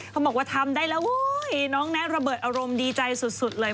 บอกว่าทำได้แล้วเว้ยน้องแท็กระเบิดอารมณ์ดีใจสุดเลย